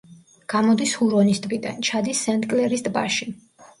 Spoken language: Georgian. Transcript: გამოდის ჰურონის ტბიდან, ჩადის სენტ-კლერის ტბაში.